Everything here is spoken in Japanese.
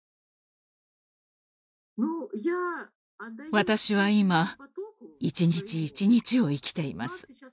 私は今一日一日を生きています。